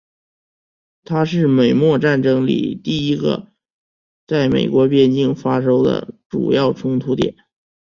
它是美墨战争里第一个在美国边境发生的主要冲突点。